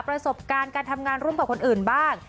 ประสบการณ์การทำงานร่วมกับคนอื่นบ้าง